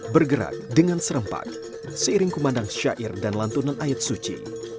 bergerak dengan serempak seiring kumandang syair dan lantunan ayat suci